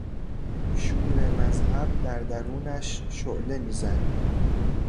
شور مذهب در درونش شعله میزد.